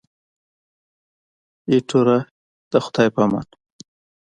ایټوره د خدای په امان.